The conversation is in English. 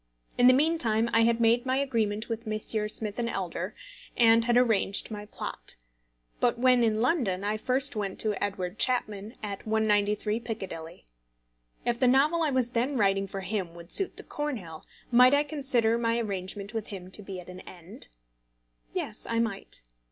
In the meantime I had made my agreement with Messrs. Smith & Elder, and had arranged my plot. But when in London, I first went to Edward Chapman, at 193 Piccadilly. If the novel I was then writing for him would suit the Cornhill, might I consider my arrangement with him to be at an end? Yes; I might.